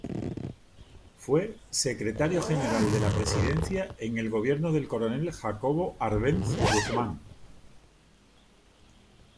Fue secretario general de la presidencia en el gobierno del coronel Jacobo Arbenz Guzmán.